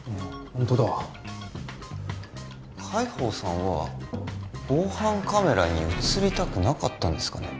ホントだ介抱さんは防犯カメラに写りたくなかったんですかね